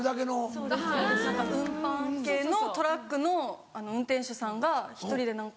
そうです何か運搬系のトラックの運転手さんが１人で何か。